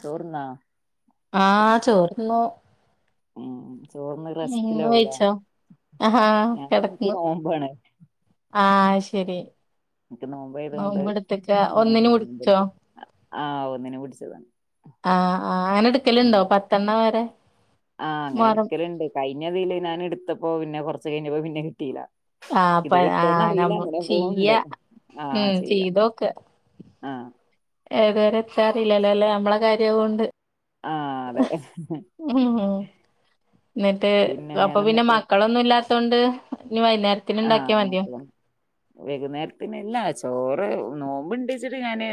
ചോറ്ന്നോ? ആഹ് ചോറ്ന്നു ചോർന് ഉം ഇങ്ങള് വെയിച്ചോ? ആഹ് ഞാൻ എനിക്ക് കെടന്നു നോമ്പാണ് ആഹ് അഹ്ശരി ഇൻക്ക് നോമ്പായതോണ്ട് ഒന്നിന് മുറിച്ചോ ആ ഒന്നിന് പിടിച്ചതാണ് ആഹ് ആഹ് ഉം അങ്ങനെട്ക്കലുണ്ടോ പത്തെണ്ണം വരെ? ആഹ് മുഹറം അങ്ങനെടുക്കല്ണ്ട് കഴിഞ്ഞതില് നാന്ട്ത്തപ്പോ പിന്നെ കൊറച്ച് കഴിഞ്ഞപ്പോ പിന്നെ കിട്ടീല ആഹ് പ ഇത് ആഹ് കിട്ടോന്നറീല്ല നമ്മ ഇങ്ങനെ ചെയ്യ പോവ്ണ്ട് ഉം ആഹ് ചെയ്യാം ചെയ്തോക്ക ആഹ് ഏതുവരെ എത്താറീലലേ അല്ലേ നമ്മളെ കാര്യായായോണ്ട് ആഹ് അതെ ഇന്നെട്ട് പിന്നെ അപ്പൊ പിന്നെ വേറെന്തൊക്കെ മക്കളൊന്നുല്ലാത്തോണ്ട് ഇഞ് വൈന്നേര ആഹ് മക്കളോ വൈകുന്നേരത്തിനല്ല ചോറ് നോമ്പ്ണ്ട്ച്ചിട്ട് ഞാന്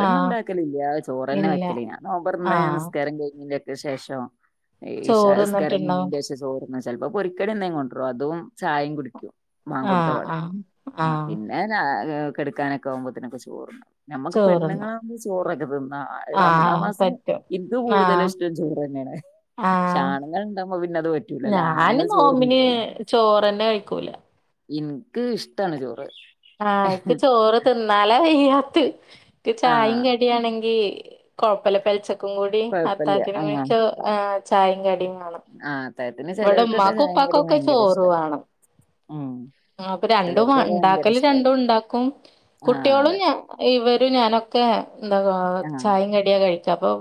ആഹ് ചോറെന്നെ ഇല്ല വെക്കല് ഞാൻ നോമ്പൊറന്ന് ആഹ് നിസ്കാരം കഴിഞ്ഞ് ശേഷം ഇശാന് ചോറ് തിന്നിട്ടുണ്ടാവും നിസ്കാരയിഞ്ഞ്ന്റേശം ചോറ്ന്ന ചെലപ്പോ പൊരിക്കടിയെന്തേം കൊണ്ടരും അതും ചായിം കുടിക്കും ആഹ് ബാങ്കൊടുത്തപാടെ ആഹ് ആ ആഹ് പിന്നെ ഞാ പിന്നെ കെട്ക്കാനൊക്കാവുമ്പോത്തിനൊക്കെ ചോറ്ന്നാ നമ്മക്ക് ചോറ്ന്ന് പെണ്ണുങ്ങളാവുമ്പോ ചോറൊക്കെ ആഹ് റമളാ മാസും ഇൻക്ക് ആഹ് കൂടുതലിഷ്ടം ചോറെന്നേണ് പഷെ ആഹ് ആണ്ങ്ങള്ണ്ടാവുമ്പോ പിന്നത് പറ്റൂ ഞാന് നോബിന് ചോറന്നെ കയിക്കൂല ഇൻക്ക് ഇഷ്ടാണ് ചോറ് ആഹ് ഇക്ക് ചോറ് തിന്നാലാ വയ്യാത്തെ ഇക്ക് ചായിം, ആഹ് കടിയാണെങ്കി കൊഴപ്പല്ല പെലച്ചക്കും കൂടി കൊഴപ്പല്ല്യ അത്തായത്തിനും ആഹ് ചോ ആ ചായിം, കടിയും വേണം ആഹ് അത്തായത്തിന് ഇവിടെമ്മാക്കുപ്പാക്കൊക്കെ ചോറ് വേണം ഉം അപ്പൊ രണ്ടും വാ ചെലോർക്കൊക്കെ ഭയങ്കര ഇണ്ടാക്കല് ഇഷ്ടാവും രണ്ടുണ്ടാക്കും ആഹ് കുട്ടിയൊളും അതെ ഞാ ഇവരും ഞാനൊക്കെ എന്താ ആഹ് ചായും കടി കഴിക്ക അപ്പൊ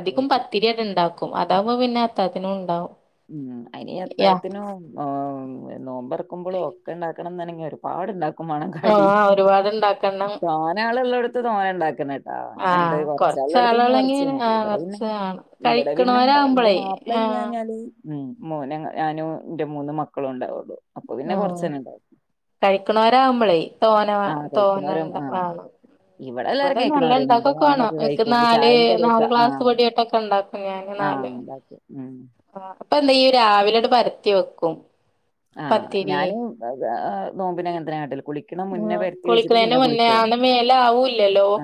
അധികും കഴിക്കാം പത്തിരി അത് ഉണ്ടാക്കും അതാവകുമ്പോ പിന്നെ അത്തായത്തിനും ഉണ്ടാവും ഉം അയിനി അത്തായത്തിനും ആഹ നോമ്പൊറക്കുമ്പോളും ഒക്കെണ്ടാ ണം ന്നാണെങ്കി ഒരുപാടുണ്ടാക്കും വേണം കടി ആഹ് ഒരുപാടുണ്ടാക്കണം. തോനാളുല്ലോട് തോന്നെ ഉണ്ടാക്കുന്നട്ട് ആഹ അങ്ങനെണ്ട് ആഹ് കൊറച്ചാളുകളെങ്കി ആഹ് കുറച്ചാളടെ കൊറച്ച് അടുത്ത് പിന്നെ കുറച്ച ആളുകളെങ്കിൽ മതി ആ ഇവിടെ പിന്നെ കുറച്ച് ആണ്. ഇവിടെ പിന്നെ എന്റെ കഴിക്കണോരാവുമ്പളേ മാ ഇവടെ ആഹ് പറഞ്ഞയിഞ്ഞാല് മൊനും ഞാനും എന്റെ മൂന്ന മക്കളും ഉണ്ടാവുള്ളു അപ്പൊ പിന്നെ ഉം കൊറച്ചന്നെ ഇണ്ടാവും കഴിക്കണോരാവുമ്പളേ തോന ആഹ് കഴിക്കുന്നോരും തോന്നണ്ട ആഹ് വേണം എല്ലാരും ഇവിടെ നല്ല കഴിക്കണോര് എന്റെ ഉണ്ടാക്കൊക്കെ വാണം മോനൊക്കെ എനിക്ക് കഴിക്കും നാല് ചായയും കടിയൊക്കെ നാല് ആ ക്ലാസ് പൊടിയൊക്കെട്ട് ഉണ്ടാക്കും ഞാന് ആ നാല് ഉണ്ടാക്കും ഉം ആഹ് അപ്പൊ ണ്ടെങ്കി രാവിലെണ്ട് പരത്തി വെക്കും ആഹ് പത്തിരി. ഞാനും നോമ്പിന് അങ്ങൻ തന്നെ കാട്ടൽ കുളിക്കുന്നേന് മുന്നേ ആഹ ന്ന മേലാവൂല്ലല്ലോ ആ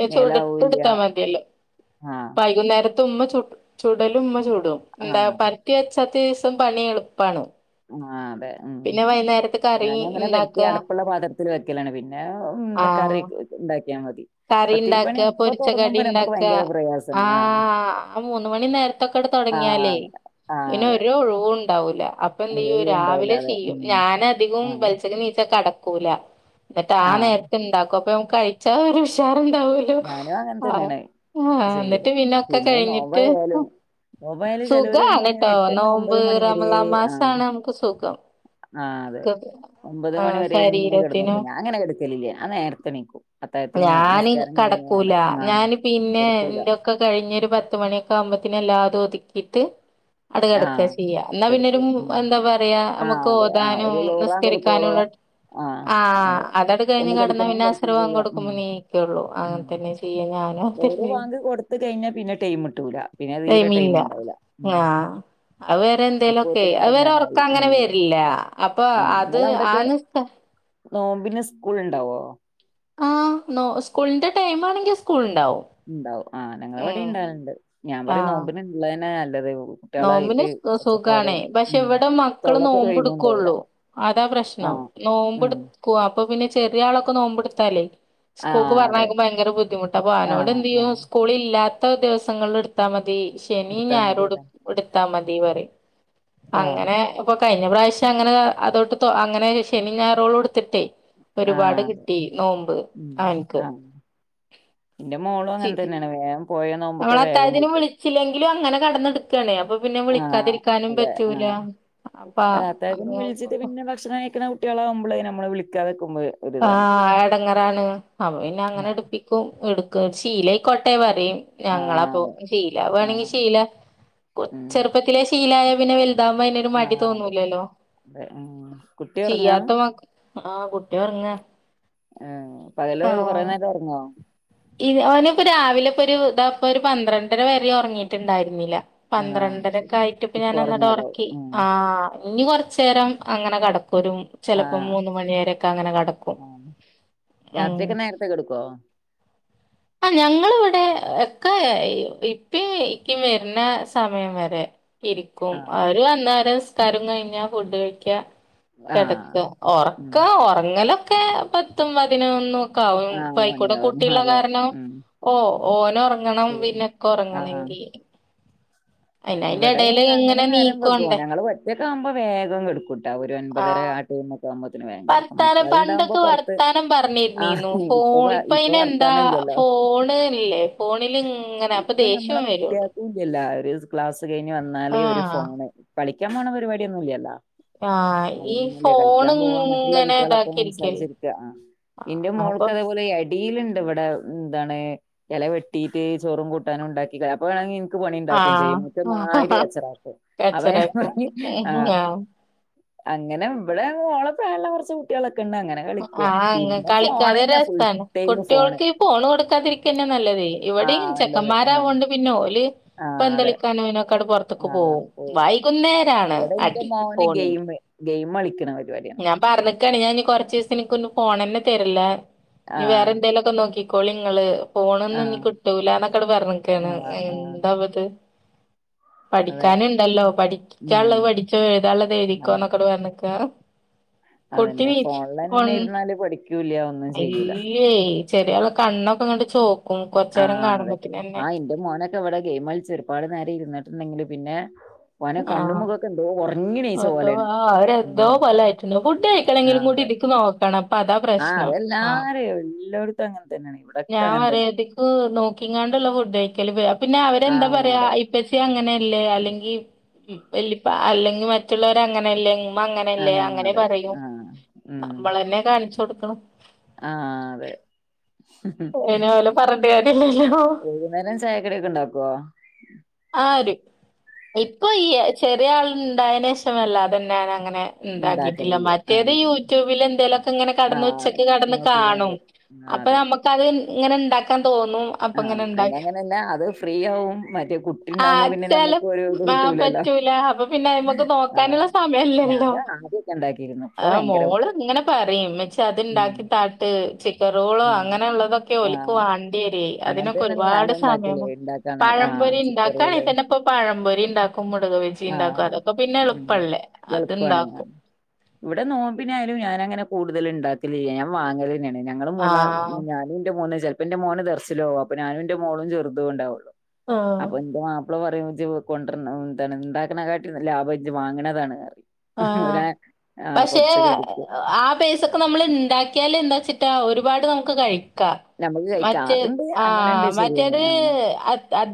പിന്നെ [unintelligible] മേലാവൂല്ല എടുത്താ മതി ല്ലല്ലോ ആ വൈകുന്നേര ഉമ്മ ചു ചൂടലും ഉമ്മ ചൂടും ആ എന്താ പരത്തി വച്ചാത്തെ സം പണി എളുപ്പാണ് ആഹ് അതെ ഉം പിന്നെ വൈകുന്നേരത്ത് കറി ഞാന അങ്ങനെ ഇണ്ടാക്ക പെരുത്തി അടപ്പുള്ള പത്ര ത്തിൽ വെക്കലാണ് പിന്നെ ന്താ കറി ണ്ടാക്കിയാൽ മതി പത്തിരിപ്പണി കറിണ്ടാക്ക അപ്പൊ പൊരിച്ച തുടങ്ങുമ്പോ നമുക്ക് കടിണ്ടാക്ക ഭയങ്കര പ്രയാസാണ് ആ ആഹ് മൂന്ന് മണി നേര ത്തക്കെട ആ തോടങ്ങിയാലേ ആ പിന്നെ അതെ ഒരു ഒഴിവു ണ്ടാവൂല അപ്പൊ എന്തയ്യ ഒഴിവുണ്ടാവൂല രാവിലെ അതെ ചെയ്യും ഉം ആ ഞാനധികവും പെൽച്ചയ്ക്ക് നീച്ച കെടക്കൂല ന്നിട്ട് ആഹ ആ നേരത്തെ ഇണ്ടാക്കും അപ്പക്ക് കഴിച്ചാ ഒരു ഉഷാറ ണ്ടാവേ ഞാനും അങ്ങനെ തന്നെയണ് ചെയ്യല് എന്നിട്ട് ഒക്കെ പിന്നെ നോമ്പ ആയാലും കഴിഞ്ഞിട്ട് നോബായല് ചെലര് സുഖാണ് ഇങ്ങനെ ട്ടോ എട്ട മണി ഒമ്പത് നോമ്പ് മണി വരെ റമളാൻ ആഹ് മാസാണ് നമുക്ക് സുഖം ആഹ് അതെ ക്കൊക്കെ ഒമ്പത് ആഹ് മണിവരെ ങ്ങനെ ശരീരത്തിനും കെടന്നോറങ്ങും ഞാൻ അങ്ങനെ കെടുക്കലില്ല ഞാ നേരത്തെ ണീക്കും ഞാന് കെടക്കൂല ആ ഞാന് പിന്നെ കിടക്കൂല എ ക്കെ കഴിഞ്ഞൊരു പത്ത് മണിയൊക്കെ ആവുമ്പോത്തിന് എല്ലാതും ഒതുക്കിട്ട് ആ അടകെടക്ക ചെയ്യ ന്നാ പിന്നൊരു കിടക്കും ഉം എന്താ പറയാ ആ മുക്ക് അതെ ആ ഓതാനും ഒരു ലോറാൻ നിസ്കരിക്കാനും കൊടുക്കോളും ഉള്ള ആ ആഹ് അതെ അതട് കഴിഞ്ഞ് ഒന്ന് കെടന്ന കെടക്കണേ പിന്നെ അസ്ര കെടക്കും വാങ്ക് ചെയ്യാം ടുക്കും ഉം മ്മള് നീക്കോള്ളു ഉം അങ്ങൻതന്നെ ചെയ്യാ ഞാനും ഒരു അങ്ങൻതന്നെനി ബാങ്ക് കൊടുത്ത് കഴിഞ്ഞാ പിന്നെ ടൈം കിട്ടൂല പിന്നെ തീരെ ടൈം മില്ല ഉണ്ടാവൂല ഉം ആഹ് അവ് വരെ എന്തേലുമൊക്കെ അപ്പോത്തിന് അവ് വരെ ഉറക്ക ഇറങ്ങാനായി ആ അങ്ങനെ വരില്ല അപ്പൊ ആ അത് നിങ്ങളവിടൊക്കെ ആന്ന് നോമ്പിന് സ്കൂള് ണ്ടാവോ ആഹ് നോ സ്കൂളിന്റെ ടൈംമാണെങ്കിൽ സ്കൂൾ ണ്ടാവും ഉണ്ടാവും ആഹ് ഞങ്ങളെവിടെ ണ്ടാവൽണ്ട് ഞാൻ പറയും ആഹ് നോമ്പിന ള്ളതന്നെ നല്ലത് നോമ്പിന് കുട്ടികളായിട്ട് സുഖാണേ ഒച്ചപ്പാടും പക്ഷെ ഉം ഇവിടെ മക്കള് തൊള്ളക്കൊരു നോമ്പ് ഒഴിവും ഉണ്ടാവൂല ടുക്കോള്ളു അതാ ആ പ്രശ്നം ഉം നോമ്പടുക്ക അപ്പൊ പിന്നെ ചെറിയ ആളൊക്കെ നോമ്പടുത്താലേ ആ സ്കൂൾക്ക് അതെ പറഞ്ഞയക്കുമ്പോ ഭയങ്കര ബുദ്ധിമുട്ട അപ്പോ ആ ഓനോട് ആ ന്തെയ്യും സ്കൂളില്ല ഇത്ത ദിവസങ്ങളില് ടുത്താ മതി ശനി എടുത്താ മതി ഞായരും ടു അതെ എടുത്താ മതി പറയും ആ അങ്ങനെ ഇപ്പൊ കഴിഞ്ഞ പ്രാവശ്യം അങ്ങനെ അതൊട്ട് അങ്ങനെ ശനിം ഞായറും എടുത്തിട്ടേ ആ ഒരുപാട് അതെ കിട്ടി നോമ്പ് ഓൻക്ക് ന്റെ മോളും അങ്ങൻതന്നെണ് വേം മ്മള് അത്തായത്തിന് വിളിച്ചില്ലെങ്കിലും അങ്ങനെ കെടന്നെടു ക്ക്ല്ലെ അപ്പൊ പിന്നെ ആ വിളിക്കാതിരിക്കാനും അതെ ആ പറ്റൂല അപ്പ [unintelligible] ക്ഷണം കഴിക്കുന്ന കുട്ടികളാവുമ്പള് നമ്മള് വിളിക്കാതെക്കുമ്പോള് ആഹ് എടങ്ങറാണ്. അപ്പൊ പിന്നെ ആ അങ്ങനെ ഇടുപ്പി ക്കും ഇടുക്കും ശീലായ്ക്കോട്ടേ പറയും. ആ ഞങ്ങളപ്പൊ അതെ ആ ശീലാവണെങ്കി ശീല ഉം ചെറുപ്പത്തിലെ ശീലായ പിന്നെ വെ ലുതാവുമ്പോ അയ്നൊരു ആ മടി അതെ തോന്നൂലല്ലോ, അതെ ഉം കുട്ടി ഒറങ്ങാ ചെയ്യാത്ത മ ആഹ് കുട്ടി ഒറങാ. ആഹ് പകല് കൊറേ നേരം ഉറങ്ങോ? ഇ ഓന് പ്പോ രാവിലെ പ്പൊ ഒരു ഇതാപ്പൊ ഒരു പന്ത്രണ്ടര വരെ ഉറങ്ങിയിട്ടുണ്ടായിരുന്നില്ല. ആഹ് ശരി പന്ത്രണ്ടരക്കായിട്ട് പ്പ ഇപ്പൊ ഒറങ്ങിയതാവും ഞാനോന്നടറക്കി ഉം ആഹ്. ഇനി കൊറച്ചേരം അങ്ങനെ കടക്കും ഒരു മു ചിലപ്പോ ആഹ് മൂന്ന് മണിവരെക്കെ അങ്ങനെ കെടക്കും. രാത്രിയക്കെ നേരത്തെ കെട്ക്കോ? ആഹ് ഞങ്ങളിവിടെ എക്ക ഇപ്പെ ഇക്കേ വരുന്ന സമയം വരെ ഇരിക്കും. ആഹ് അവര് വന്നാല് നിസ്കാരം കയ്ഞ്ഞ ഫുഡ് കഴിക്ക. കെടക്ക ആഹ് ഉം ഒറക്ക ഒറങ്ങലൊക്കെ പത്തും പതിനൊന്നും ക്കാവും ആഹ് മൂന്ന് [unintelligible] ക്കൂടെ മണിയാവും കുട്ടിള്ള അതെ കാര ഉം ഓ ഓന ഒറങ്ങണം ശരിയാണ് പിന്നൊക്കെ ആഹ് ഒറങ്ങണെങ്കി. ഇവിടെ ഇടയില് ഞങ്ങള് ഇങ്ങനെ നേരം വൈകോ, നീക്കോണ്ടേ ഞങ്ങള് ഒറ്റക്ക് ആവുമ്പോ വേഗം കെടുക്കും. ട്ട ഒരു ആ ഒൻപതര [unintelligible] ആവുമ്പോത്ത്ന് വേങ്കടക്കും. വർത്താനം മറ്റാള ഉണ്ടാകുമ്പോ പണ്ടൊക്കെ പൊറത്ത് വർത്താനം പറഞ്ഞിരുന്നീന്നു ആഹ് ഇപ്പൊ ഫോൺ ഇപ്പൊ വർത്താനില്ലല്ലോ. പോണിലിങ് ഇപ്പ നമ്മളെ കുട്ടിയക്കില്ലല്ല ഒരു ക്ലാസ്സ് കഴിഞ്ഞ് വന്നാല് ഒരു ആഹ് ഫോണ് കളിക്കാൻ പോണ പരിപാടിയൊന്നും ഇല്ലല്ല. ആ ഈ അതൊന്നല്ലേ ഫോൺ കളിക്കാൻ പോവാൻ മറ്റുള്ള ഇങ്ങനെ കുട്ടികളൊപ്പ ഇതാക്കിയിരിക്കേ സംസാരിച്ചിരിക്ക ആ. എന്റെ അപ്പൊ മോൾക്ക് അതേപോലെ [unintelligible] ടിയിലുണ്ട് ഇവിടെ എന്താണ് ഇല വെട്ടിട്ട് ചോറും കൂട്ടാനും ഇണ്ടാക്കി അപ്പ വേണെങ്കി എനിക്ക് പണി ആ ഉണ്ടാക്കും ചെയ്യും. മുറ്റ [unintelligible] കച്ചറാക്കും, അപ്പൊ ഞാൻ കച്ചറാക്കും ആ ഉം, അങ്ങനെ ഇവിടെ ഓളപ്പള്ള കുറച്ച് കുട്ടികളൊക്കെ ഉണ്ട് അങ്ങനെ. കളിക്കും ആഹ് അങ്ങ പിന്നെ കളിക്കാതെര ഫോണന്നെ ഫുൾ അവസ്ഥാണ് ടൈം കുട്ടികൾക്ക് ഈ ഫോണ് കൊടുക്കാതിരിക്കണെ നല്ലതേ. ആ ഇവിടേം നല്ലത് ആ ചെക്കമ്മാരാവുകൊണ്ട് പിന്നെ ഓല് ആ അതെ പന്തളിക്കാനോനക്കെടെ പൊറ ത്തക്ക ആ പോവും. ഓ, വൈകുന്നേരാണ് അടി പോണിന്. ഗെ ഗെയിം കളിക്കണ പരിപാടി. ഞാൻ പറഞ്ഞിക്കാണ് ഞാൻ ഇനി കുറചിസത്തേ നിക്ക് ഒന്നും ഫോൺ തന്നെ തരീല്ല. ആ നീ വേറെ എന്തേങ്കലുംക്കെ നോക്കി കോളി ങ്ങള്. ആ ഫോണൊന്നും ഇനി കിട്ടൂലന്നൊക്കെ ങ്ങട് പറഞ്ഞൊക്കെയാണ് ആ ആ എന്താവത്. അതെ പഠിക്കാനുണ്ടല്ലോ ഉം പഠിക്കാനുള്ളത് പഠിച്ചോ, എഴുതാനുള്ളത് ആ എഴുതിക്കോ ന്നൊക്കട് പറഞ്ഞിക്കണ്. അതന്നെ ഫോണില് ഒൺ തന്നെ ഇരുന്നാല് പഠിക്കൂല്ല ഒന്നും ചെയ്യൂല. ഏയ് ചെറി [unintelligible] കണ്ണൊക്കെ ഇങ്ങോട്ട് ചോക്കും കൊറച്ച നേരം കാണുമ്പോത്തനന്നെ. എന്റെ മോന ക്കവിടെ ഗെയിം കളിച്ച് ഒരുപാട് നേരം ഇരുന്നിട്ടുണ്ടെങ്കില് പിന്നെ, ഓന കണ്ണും ആഹ് മൊഖക്കെ എന്തോ ഒറങ്ങി എണീച്ച അതോ പോലെണ്. ആ അവരെന്തോ ഉം പോലെ ആയിട്ടുണ്ട് ഫുഡ് കഴിക്കണെങ്കിലും കൂടി [unintelligible] ഇതിക്ക് നോക്കണം അപ്പൊ അതാ ആ പ്രശ്നം അവൻ ആഹ് [unintelligible] എല്ലാടത്തും അങ്ങനെ തന്നാണ്. ഇവി ഞാൻ പറയ [unintelligible] നോക്കിങ്ങാണ്ടുള്ള ഫുഡ് കഴിക്കല്. പിന്നെ അവരെന്താ ആഹ് പറയാ അതെ [unintelligible] പ്പച്ചി അങ്ങനല്ലേ അല്ലെങ്കി വല്ലിപ്പ അല്ലെങ്കി മറ്റുള്ളവരങ്ങനല്ലേന്ന് ഉമ്മ അങ്ങനല്ലേ ആഹ് അങ്ങനെ അതെ പറയും. ആഹ് ഉം നമ്മളന്നെ കാണിച്ചു കൊടുക്കണു. ആഹ് അതെ. എന വലോം പറഞ്ട്ട് കാര്യല്ലല്ലോ. വൈകുന്നേരം ചായക്കടിയൊക്കെ ഉണ്ടാക്കുവോ? ആ ഒരു ഇപ്പൊ ഈ ചെറിയ ആൾ ഉണ്ടായേനെഷമല്ല അതന്നെനങ്ങനെ ഇണ്ടാക്കിട്ടില്ല ഇണ്ടാക്കലില്ല മറ്റേത് ആഹ് യൂട്യൂബില് എന്തേലുക്കെ ഇങ്ങനെ കെടന്ന് ആഹ് ഉച്ചക്ക് കെടന്ന് കാണും നോക്കിക്കാണ്ട് ആഹ് അപ്പൊ അതെ ഞമു ക്കത് ഇങ്ങനെ ഇണ്ടാക്കാൻ തോന്നും. അപ്പൊ ആഹ് ഇങ്ങനെ അയിന് ഇണ്ടാക്കി അങ്ങനെല്ല അത് ഫ്രീ ആവും മറ്റെ കുട്ടി ആ ഇണ്ടാവുമ്പോ പിന്നെ ചെല ഞമ്മുക്ക് ഒരു ഇത് ആ കിട്ടൂലല്ലോ. പറ്റൂല അപ്പൊ പിന്നെ അയ്മക്ക് ആ നോക്കാനുള്ള സമയല്ലല്ലോ ഞാന് ആദ്യ ക്കെണ്ടാക്കിയിരുന്നു. ആ മോള് ഇങ്ങനെ പറയും മ്മച്ചി ഉം അത്ണ്ടാക്കി താട്ട് ചെ കെറോളോ ഉം അങ്ങനെ ഉള്ളതൊക്കെ ഓലിക്ക് ആഹ് വാണ്ടിയത് അങ്ങനെ അതിനൊക്കെ തന്നെയാണ് ഒരുപാട് ഞാനും സമയം. ഉണ്ടാക്കല് ഇണ്ടാക്കാണെങ്കിൽ പഴം ആഹ് പൊരി ചിക്കൻ ഇണ്ടാക്കആണെ റോള് തന്നെ ഇപ്പൊ പഴം പൊരി ഇണ്ടാക്കും മുടക് വെജി ഇണ്ടാക്കും ആഹ് അതൊക്കെ പിന്നെ ഉം എളുപ്പല്ലേ. എളുപ്പാണ്. ഇവിടെ നോമ്പിനായാലും ഞാനങ്ങനെ കൂടുതല്ഇണ്ടാക്കലില്ല ഞാ വാങ്ങലന്നേണ്. ഞ ഞങ്ങള് ആ മൂന്നാ ഞാനുന്റെ മൂന്ന് ചിലപ്പിന്റെ മോന് ദെർശിലോ അപ്പൊഞാനവിന്റെ മോളും ചെറുതും ഉണ്ടാവുള്ളു. ആ അപ്പൊ ഇന്ത അള പറയും ജ് കൊണ്ടർന്ന ന്താണ് ഇണ്ടാക്കണക്കാട്ടി ലാഭം ഇജ് വാങ്ങണതാണ്. ആഹ് പറയും ആഹ് പക്ഷെ കൊറച്ച് കടിക്ക് ആ പൈസ ക്ക്‌ നമ്മൾ ഇണ്ടാക്കിയാല് എന്താച്ചിട്ടാ ഒരുപാട് നമുക്ക് കഴി ക്ക ഞമ്മക്ക് കഴിക്കാം മറ്റെ അതുണ്ട് അങ്ങനെണ്ട് ആഹ് ശരിയാണ് മറ്റേത് ആഹ് അ, അ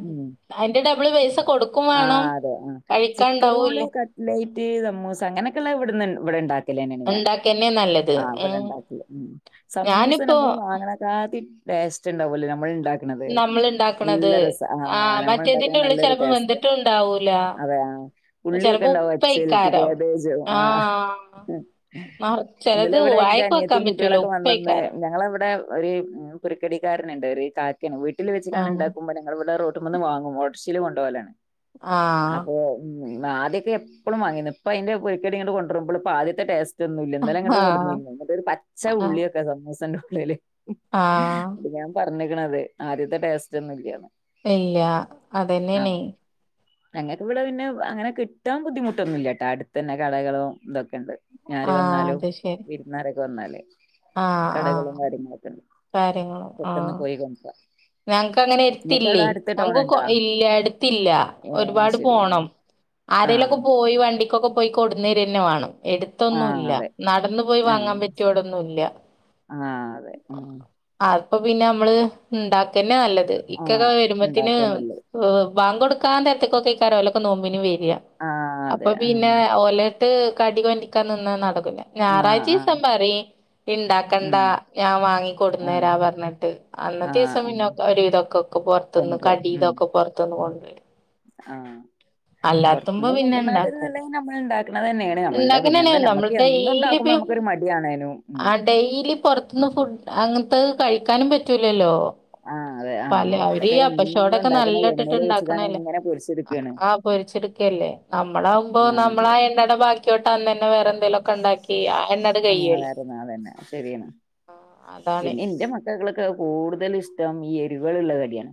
അയിന്റെ ഡബിള് പൈസ കൊടു ആ അതെ ആ ചിക്കറോള്, കട്ലൈറ്റ് സമ്മൂസ, അങ്ങനെക്കെള്ളെ ഇവിടുന്ന് ഇവിടെ ഇണ്ട ക്കെലെന്നെണു ഞാന് ഉണ്ടാക്കന്നെ നല്ലത് ആ ഉം അത്ബടണ്ടാക്കല് സമൂസ ഞാനിപ്പോ ഞമ്മള് വാങ്ങണ. ക്കാത്തി ടേസ്റ്റ് ഉണ്ടാവല്ലെ ഞമ്മള് ഇണ്ടാ. ക്കണത്. നമ്മള് ഇണ്ടാക്കണത് നല്ല രസ ആ ആഹ് നമ്മൾ മറ്റേതിന്റെ ഉണ്ടാക്കണത് ഉള്ളിൽ നല്ലരു ചെലപ്പോ ടേസ്റ്റ്. വെന്തിട്ടും ഉണ്ടാവൂല അതെ ആ ഉള്ളിയൊക്കെ ചെലപ്പോ ഇണ്ടാവും അച്ചലക്ക് ഉപ്പേയ്ക്കാരം കാബേജും ആ. ആഹ് ആഹ് ഇന്നലെ ചെലത് ഇവിടെ എന്റെ വായക്ക് വെക്കാൻ അനിയത്തിയും പറ്റൂല കുട്ടികളൊക്കെ വന്നന്ന്. ഉപ്പേയ്ക്കാരം ഞങ്ങള ഇവിടെ ഒരു പുരുക്കടിക്കാരനുണ്ട് ഒരു കാക്കേണ് വീട്ടിൽ വെച്ടണ് ആഹ് ഉണ്ടാക്കുമ്പോ ഞങ്ങളവിട റോ. ട്ടുമന്ന് വാങ്ങും ഓട്ടോഷീൽ കൊണ്ട് പോലാണ്. ആഹ് അപ്പൊ ആദ്യക്കെ എപ്പളും വങ്ങിനു ഇപ്പ അതിന്റെ പൊരിക്കടി ഇങ്ങട്ട് കൊണ്ടുവരുമ്പോളിപ്പോ ആദ്യത്തെ ടേസ്റ്റ്. റ്റൊന്നുല്ല ഇന്നലങ്ങട്ട് ആഹ് കൊടുന്നിനു ഒരു പച്ച ആഹ് ഉള്ളിയൊക്കെ സമൂസന്റെ ഉള്ളില്. ആഹ്. അത് ഞാൻ പറഞ്ഞിക്കണത് ആദ്യത്തെ ടേസ്റ്റ് ഒന്നും ഇല്ലാന്. ഇല്ല അതന്നെണെ. ഞങ്ങക്ക് ഇവിടെ പിന്നെ അങ്ങനെ കിട്ടാൻ ബുദ്ധിമുട്ടൊന്നുല്ലട്ടോ അടുത്തന്നെ കടകളും ഇതൊക്കെയുണ്ട്. ഇഞ്ഞി ആര് ആഹ് വന്നാലും അത് ശരി വീരുന്നാരൊക്കെ വന്നാലേ ആഹ് കടകളും ആഹ് കാര്യങ്ങളൊക്കെണ്ട്. കാര്യങ്ങളും ആഹ്. ഹംസ ഞങ്ങക്കങ്ങനെ എരുത്തില്ലേ നമുക്ക് കൊ ഉണ്ടാ ഇല്ല എടുത്തില്ല. ഏ ഒരുപാട് ശരി ആ പോണം ആ ആരെലൊക്കെ പോയി വണ്ടിക്കൊക്കെ പോയി കൊടുന്നേരന്നെ വേണം. ആ എടുത്തൊന്നും ഇല്ല അതെ നടന്നു പോയി വാങ്ങാൻ പറ്റിയോടൊന്നുംല്ല. ആഹ്. അപ്പൊ പിന്നെ നമ്മള് ഇണ്ടാക്കന്നെ നല്ലത്. ആ ഇക്കൊക്കെ വരുമ്പോത്തിന് ഉണ്ടാക്കാൻ നല്ലത് ബാങ്ക് കൊടുക്കാൻ നേരത്ക്കൊക്കെ ഈ ഓലൊക്കെ നോമ്പിന് വര. ആ അപ്പൊ അതെ ഉം പിന്നെ ഓല്. ഇട്ട് കടി കൊണ്ടിക്കാൻ നിന്ന നടക്കുല ആ ആ ഞാറാഴ്ച്ചീസം പ റിം ഇണ്ടാക്കണ്ട. ഉം ഞാ വാങ്ങി ആ കൊട്ന്നരാ പർഞ്ഞിട്ട്. ആ അന്നത്തീസം പിന്ന ഒരു വിതൊക്കൊക്ക് പൊർത്ത്ന്ന് കടീതൊക്കെ പൊർത്ത്ന്ന് കൊട്ന്നരും. ആഹ് പൊർത്ത്ന്ന് പിന്നെ കുണ്ടര്നാട്ടി ഇണ്ടാക്കും നല്ലത് നമ്മൾ ഇണ്ടാക്ക്ണ തന്നെയാണ്. നമ്മൾടെ ഇണ്ടാക്കന്നെണ് പിന്നെന്താ നമ്മക്ക് നമ്മള് എന്നും ഡെയിലി ഉണ്ടാക്കുമ്പോ നമുക് ഇപ്പ ഒരു മടിയാണേനും. ആ ഡെയിലി പൊർത്ത്ന്ന് ഫുഡ് അങ്ങൻത്തെ കഴിക്കാനും പറ്റൂലല്ലോ. ആ അതെ ആ പല അവര് ഈ അതൊക്കെ എന്നും അപ്പശോടൊക്കെ ഉണ്ടാക്കണ നല്ല ഇട്ടിട്ട് എണ്ണയിൽ വെച്ചിട്ടാണ് ഇണ്ടാക്കണല്ലേ. ഇങ്ങനെ പൊരിച്ചെടുക്കാണ് പൊരിച്ചെടുക്കല്ലേ നമ്മളാവുമ്പോ ആ നമ്മള അതെ എണ്ണയുടെ ബാ ക്കിയോട്ട് അന്നന്നെ വേറെ എന്തെലുംക്കെണ്ടാക്കി. [unintelligible] അതന്നെ ശരിയാണ്. ആ, അതാണ് പിന്നെ ഇന്റെ മക്കൾക്ക് കൂടുതലും ഇഷ്ടം ഈ എരിവള്ള്ള കടിയാണ്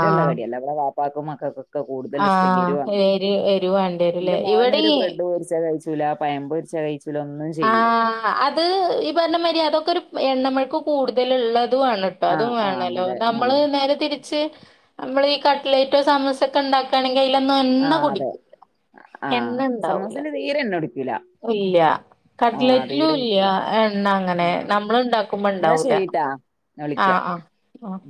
ആ കടിയല്ല. ഇവട വാപ്പാക്കും മക്കക്കും. ക്കൊ കൂടുതൽ ആ ഇഷ്ടം എരു ആണ്. എരു എരു വേണ്ടി ന്റെ വരൂല്ലേ ഇവിടെ മോനൊരു ബ്രെഡ് പൊര്ച്ചത് കഴിച്ച ല പഴംമ്പൊര്ച്ച കഴിച്ചുല ഒന്നും ചെയ്യൂല്ല. ആഹ് അത് ഈ പറഞ്ഞ മാതിരി അതൊക്കെ ഒരു എണ്ണമഴക്ക് കൂടുതലുള്ളതു ആണ്. അതും ആഹ് ആഹ് വേണല്ലോ അതെ നമ്മള് ആഹ് നേരെ തിരിച്ച് നമ്മളീ കട്ലേറ്റോ സമൂസ. തെക്കെ ഇണ്ടാക്കാണെങ്കി അയ്ലൊന്നും എണ്ണ ആഹ് അതെ കുടിക്കൂല ആഹ് എണ്ണ ഇണ്ടാവൂല. സമൂസയില് തീരെ എണ്ണ കുടി ഇല്ല കട്ട്ലേറ്റിലും തീരെ ഇല്ല കുടിക്കൂല എണ്ണ അങ്ങനെ നമ്മള് ഇണ്ടാക്കുമ്പോ ഇണ്ടാവൂല. ഞാ വിളിക്ക ആഹ് ആഹ്. ആഹ്